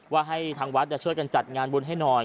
ว่าให้ทางวัดช่วยกันจัดงานบุญให้หน่อย